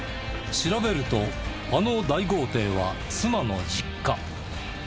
調べるとあの大豪邸は妻の実家。